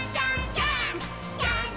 ジャンプ！！」